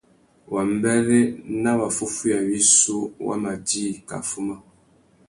Wambêrê na waffúffüiya wissú wa ma djï kā fuma.